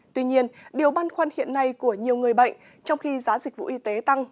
tuy nhiên điều băn khoăn hiện nay của nhiều người bệnh trong khi giá dịch vụ y tế tăng